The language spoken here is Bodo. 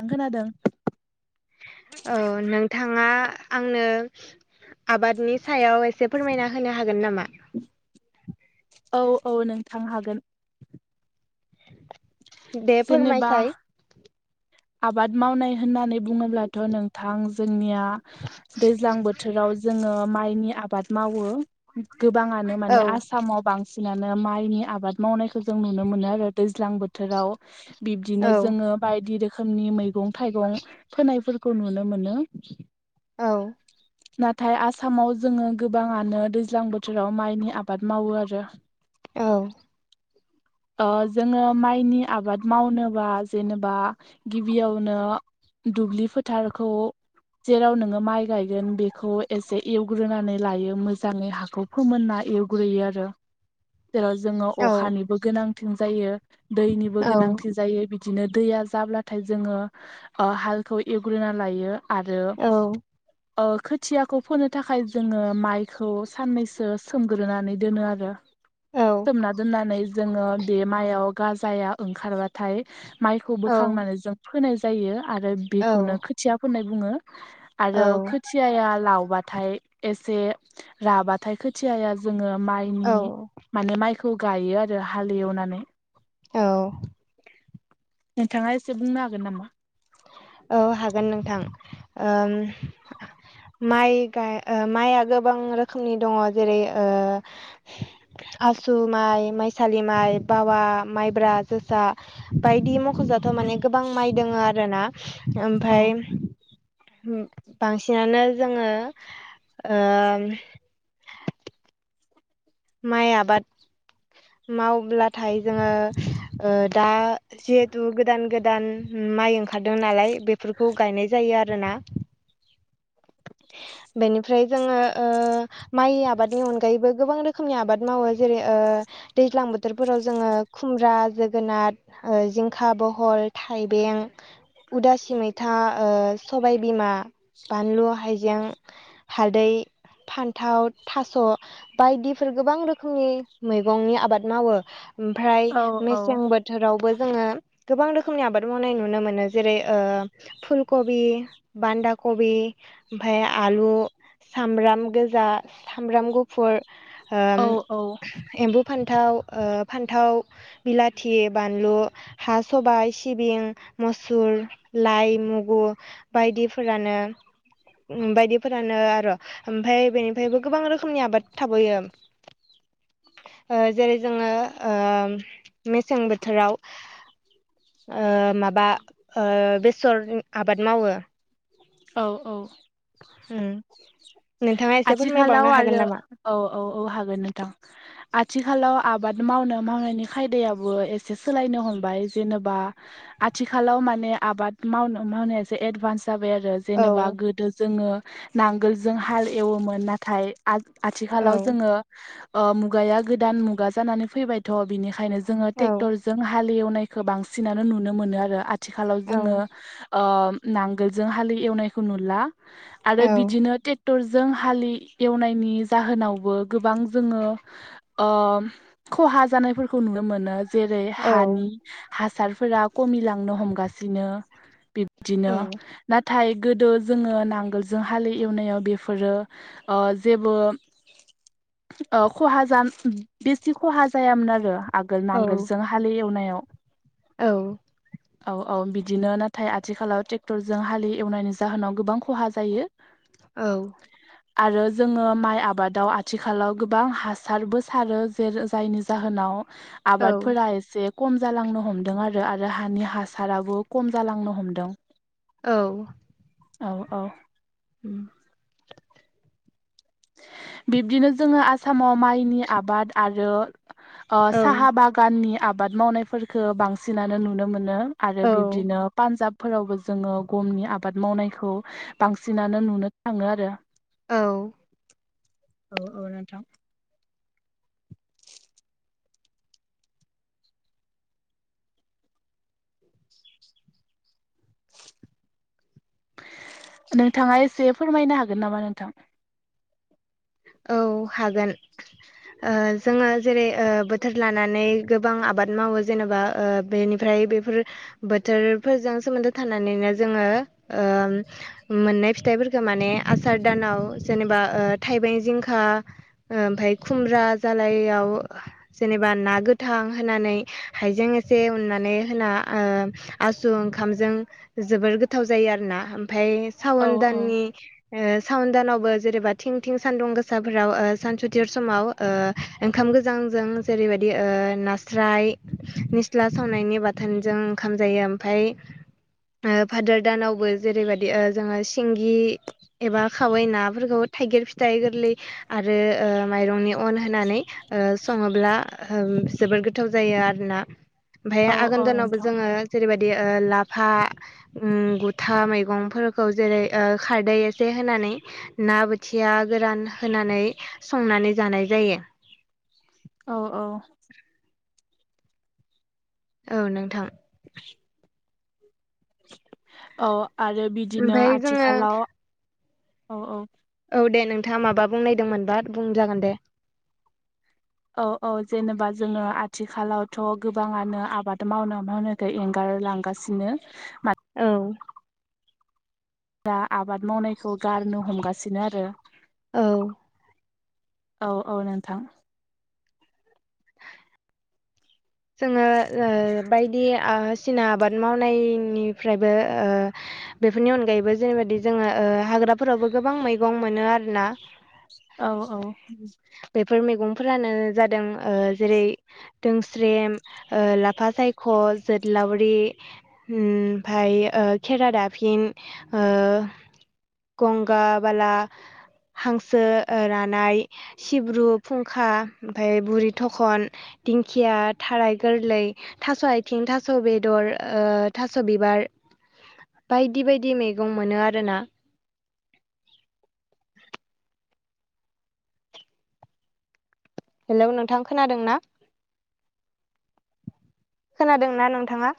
ओं खोनादों। औ नोंथाङा आंनो आबादनि सायाव एसे फोरमायना होनो हागोन नामा? थांनो हागोन दे जेनेबा फोरमायसाय आबाद मावनाय। होननानै बुङोब्लाथ' नोंथां जोंनिया दैज्लां बोथोराव जोङो माइनि आबाद। मावो गोबाङानो औ माने आसामाव बांसिन। बांसिनानो माइनि आबाद मावनायखौ जों नुनो मोनो आरो दै। दैज्लां बोथोराव औ बिब्दिनो जोङो बायदि रोखोमनि मैगं थाइगं फोनायफोरखौ। खौ नुनो मोनो। औ। नाथाय आसामाव जोङो गोबाङानो दैज्लां बोथोराव माइनि आबाद मावो आरो। औ। ओ जोङो माइनि आबाद मावनोबा जेनेबा। गिबियावनो दुब्लि फोथारखौ। जेराव नोङो माइ गायगोन बेखौ एसे एवग्रोनानै लायो मोजाङै हाखौ फोमोननाय। एवग्रोयो आरो। [inaudible] जेराव जोङो औ अखानिबो गोनांथि जायो दैनिबो औ गोनांथि जायो बि बिदिनो दैया जाब्लाथाय जोङो ओ हालखौ एवग्रोना लायो। आरो औ ओ खोथियाखौ फोनो थाखाय जोङो माइखौ साननैसो सोमग्रोनानै दोनो आरो। सोमना दोननानै जोङो बे माइयाव गाजाया ओंखारबाथाय। माइखौ बोखांनानै जों फोनाय जायो आरो बेखौनो खोथिया फोनाय बुङो। औ आरो खोथियाया लावबाथाय। एसे राबाथाय खोथियाया जोङो माइनि औ माने माइखौ। गायो आरो हाल एवनानै। औ। नोंथाङा एसे बुंनो हागोन नामा? औ हागोन नोंथां ओ माइ गाय ओ माइआ गोबां रोखोमनि दङ जेरै ओ आसु माइ माइसालि माइ बावा माइब्रा जोसा बायदि मख'जाथाव माने गोबां माइ दोङो आरोना औ ओमफाय बांसिनानो जोङो ओ [inaudible] माइ आबाद मावब्लाथाय जोङो ओ दा जिहेथु दा गोदान गोदान माइ ओंखारदों नालाय बेफोरखौ गायनाय जायो आरोना बेनिफ्राय जोङो ओ माइ आब बादनि अनगायैबो गोबां रोखोमनि आबाद मावो जेरै ओ दैज्लां बोथोरफोराव जोङो खुमब्रा जोगोनार ओ जिंखा बहल थाइबें उदासि मैथा ओ सबाय बिमा बानलु हायजें हालदै फान्थाव थास' बायदिफोर गोबां रोखोमनि मैगंनि आबाद मावो ओमफ्राय औ मेसें बोथोरावबो जोङो गोबां रोखोमनि आबाद मावनाय नुनो मोनो जेरै ओ फुलकबि बान्दा कबि ओमफाय आलु सामब्राम गोजा सामब्राम गुफुर ओ औ औ एम्बु फानथाव ओ फान्थाव बिलाथि बानलु हा सबाय सिबिं मुसुर लाइ मुगु बायदिफोरानो बायदिफोरानो आरो ओमफाय बेनिफायबो गोबां रोखोमनि आबाद थाबावो [inaudible] ओ जेरै जोङो ओ मेसें बोथोराव ओ माबा ओ बेसर आबाद मावो औ औ उम नोंथाङा एसे आथिखालाव फोरमायबावनो हागोन आरो नामा औ औ औ हागोन नोंथां आथिखालाव आबाद मावनो मावनायनि खायदायाबो एसे सोलायनो हमबाय जेनेबा आथिखालाव माने आबाद मावनो मावनायासो एदभान्स जाबाय आरो औ जेनेबा गोदो जोङो नांगोलजों हाल एवोमोन नाथाय औ आथिखालाव जोङो ओ मुगाया गोदान मुगा जानानै फैबायथ' बिनिखायनो जोङो औ ट्रेक्टर जों हाल एवनायखौ बांसिनानो नुनो मोनो आरो आथिखालाव औ जोङो अ नांगोलजों हाल एवनायखौ नुला आरो बिदिनो टे टरजों हालि एवनायनि जाहोनावबो गोबां जोङो ओ खहा जानायफोरखौ नुनो मोनो जेरै औ हानि हासारफोरा खमिलांनो हमगासिनो बिदिनो औ नाथाय गोदो जोङो नांगोलजों हालि एवनायाव बे फोरो ओ जेबो ओ खहा जा बिसि खहा जायामोन आरो आगोल नांगोलजों हालि एवनायाव औ औ औ बिदिनो नाथाय आथिखालाव ट्रेक्टरजों हालि एवनायनि जाहोनाव गोबां खहा जायो औ आरो जोङो माइ आबादाव आथिखालाव गोबां हासारबो सारो जेर जायनि जाहोनाव औ आबादफोरा एसे खम जालांनो हमदों आरो आरो हानि हासाराबो खम जालांनो हमदों औ औ औ ओम बिब्दिनो जोङो आसामाव माइनि आबाद आरो ओ औ साहा बागाननि आबाद मावनायफोरखौ बांसिनानो नुनो मोनो। आरो औ बिब्दिनो पान्जाब फोरावबो जोङो गमनि आबाद मावनायखौ बांसिनानो नुनो थाङो आरो औ। औ औ नोंथां। नोंथाङा एसे फोरमायनो हागोन नामा नोंथां। औ हागोन। ओ जोङो जेरै बोथोर लानानै गोबां आबाद मावो जेनेबा ओ बेनिफ्राय बेफोर बोथोरजों सोमोनदो थानानैनो जोङो मोननाय फि फिथाइफोरखौ माने आसार दानाव जेनेबा ओ थाइबें जिंखा ओमफाय खुमब्रा जालायाव जेनेबा ना गोथां। होनानै हाइजें एसे उननानै होना ओ‌ आसु ओंखामजों जो जोबोर गोथाव जायो आरोना ओमफ्राय औ सावन औ दाननि सावन दानावबो जेनेबा थिं थिं सान्दुं गोसाफोराव सानसुथिर समाव ओ ओंखाम गोजांजों जेरैबायदि नास्राय निस्ला सावनायनि बाथोनजों ओंखाम जायो ओमफाय फादोर दानावबो जेरैबायाददि जोङो सिंगि एबा खावै नाफोरखौ थाइगिर फिथाइ गोरलै आरो माइरंनि अन होनानै ओ सङोब्ला जोबोर गोथाव जायो आरोना ओमफाय औ आघोन औ दानावबो‌ नोंथां जोङो जेरैबादि लाफा ओ गुथा मैगंफोरखौ जेरै खारदै एसे होनानै ना बोथिया गोरान होनानै संनानै जानाय जायो। औ औ। औ नोंथां। [inaudible] औ आरो बिदिनो ओमफाय जोङो आथिखालाव औ औ। औ दे नोंथाङा माबा बुंनायदोंमोनबा बुंजागोन दे। औ औ जेनेबा जोङो आथिखालावथ' गोबाङानो आबाद मावनो मावनायखो एंगार। लांगासिनो। औ। दा आबाद मावनायखौ गारनो हमगासिनो आरो। औ। औ औ नोंथां। जोङो ओ बायदि आसिना आबाद मावनायनिफ्रायबो। बेफोरनि अनगायैबो जेरैबाददि जोङो हाग्राफोरावबो गोबां मैगं मोनो आरोना। औ औ। बेफोर मैगंफोरानो जादों ओ जेरै। रेत ओ लाफा सायख' जोथलावरि ओमफाय ओ। फोरा दा-फिन ओ गंगा बाला। हांसो ओ रानाय सिब्रु फुंखा ओमफ्राय बुरि थखन दिंख दिंखिया थाराय गोरलै थास' आयथिं थास' बेदर ओ थास' बिबार। बायदि बायदि मैगं मोनो आरोना। हेलौ नोंथां खोनादों ना? खोनादोंना नोंथाङा।